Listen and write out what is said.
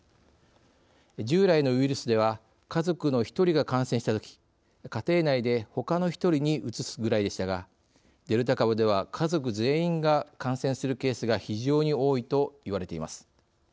従来のウイルスでは家族の１人が感染したとき家庭内でほかの１人にうつすぐらいでしたがデルタ株では家族全員が感染するケースが非常に多いと言われています。